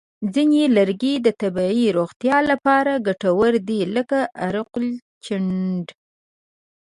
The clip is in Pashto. ځینې لرګي د طبیعي روغتیا لپاره ګټور دي، لکه عرقالچندڼ.